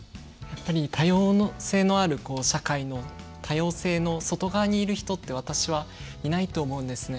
多様性のある社会の多様性の外側にいる人って私は、いないと思うんですね。